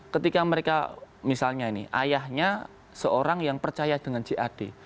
ketika mereka misalnya ini ayahnya seorang yang percaya dengan jad